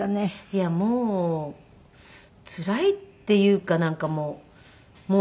いやもうつらいっていうかなんかもう。